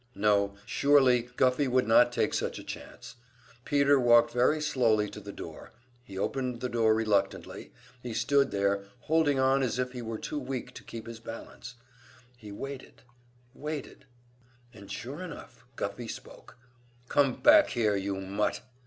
No, surely Guffey would not take such a chance! Peter walked very slowly to the door, he opened the door reluctantly, he stood there, holding on as if he were too weak to keep his balance; he waited waited And sure enough, Guffey spoke. "Come back here, you mut!"